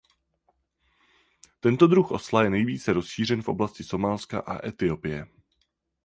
Tento druh osla je nejvíce rozšířen v oblasti Somálska a Etiopie.